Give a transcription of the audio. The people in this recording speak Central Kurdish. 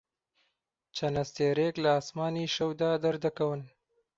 چەند ئەستێرەیەک لە ئاسمانی شەودا دەردەکەون.